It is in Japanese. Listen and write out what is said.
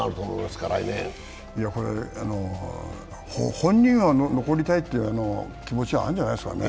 本人は残りたいって気持ちはあるんじゃないですかね。